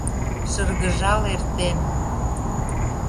Шыргыжал эртем.